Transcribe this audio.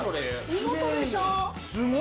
見事でしょ！